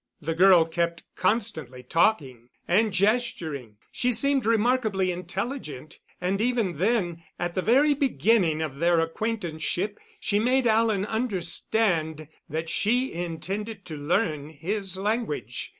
The girl kept constantly talking and gesturing. She seemed remarkably intelligent; and even then, at the very beginning of their acquaintanceship, she made Alan understand that she intended to learn his language.